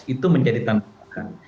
itu menjadi tantangan